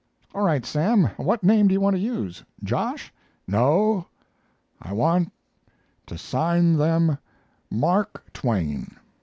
"All right, Sam. What name do you want to use 'Josh'?" "No, I want to sign them 'Mark Twain.'